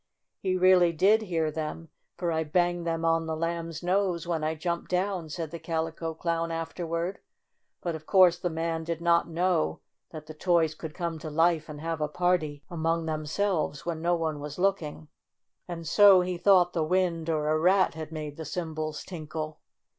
"He really did hear them, for I banged them on the Lamb's nose when I jumped down," said the Calico Clown afterward. But of course the man did not know that the toys could come to life and have a party among themselves when no one was looking, and so he thought the wind or a rat had made the cymbals tinkle.